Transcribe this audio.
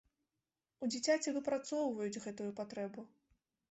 У дзіцяці выпрацоўваюць гэтую патрэбу.